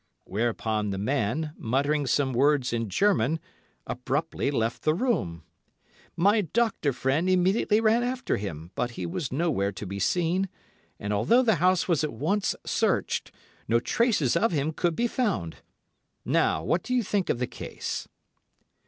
Whereupon, the man, muttering some words in German, abruptly left the room. My doctor friend immediately ran after him, but he was nowhere to be seen, and although the house was at once searched, no traces of him could be found. Now, what do you think of the case?"